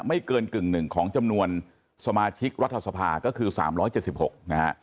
ไม่เกินกึ่งหนึ่งของจำนวนสมาชิกรัฐสภาก็คือ๓๗๖นะฮะ